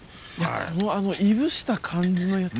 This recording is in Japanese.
このいぶした感じの。